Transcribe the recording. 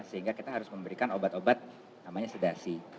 sehingga kita harus memberikan obat obat namanya sedasi